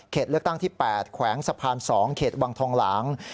เลือกตั้งที่๘แขวงสะพาน๒เขตวังทองหลาง